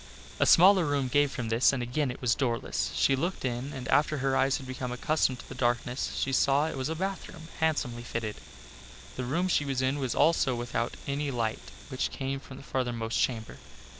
A smaller room gave from this and again it was doorless. She looked in and after her eyes had become accustomed to the darkness she saw that it was a bathroom handsomely fitted. The room she was in was also without any light which came from the farthermost chamber.